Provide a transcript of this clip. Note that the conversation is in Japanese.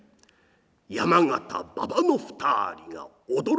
山県馬場の２人が驚いた。